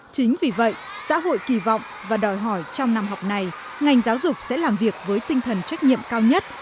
chính vì vậy xã hội kỳ vọng và đòi hỏi trong năm học này ngành giáo dục sẽ làm việc với tinh thần trách nhiệm cao nhất